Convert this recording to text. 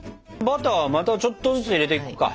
バターまたちょっとずつ入れていこうか。